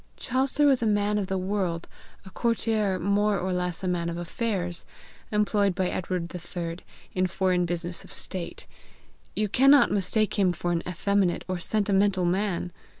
"Chaucer was a man of the world, a courtier, more or less a man of affairs, employed by Edward III. in foreign business of state: you cannot mistake him for an effeminate or sentimental man!